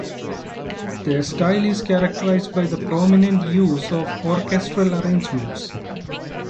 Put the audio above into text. Their style is characterized by prominent use of orchestral arrangements.